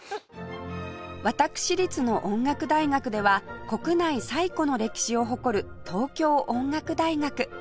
私立の音楽大学では国内最古の歴史を誇る東京音楽大学